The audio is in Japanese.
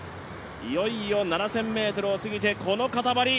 いよいよ７０００ｍを過ぎて、このかたまり。